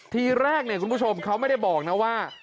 ทีแรกคุณผู้ชมเขาไม่ได้บอกนะว่า